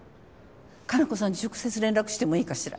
可南子さんに直接連絡してもいいかしら？